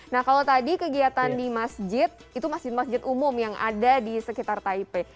nah kalau tadi kegiatan di masjid itu masjid masjid umum yang ada di sekitar taipei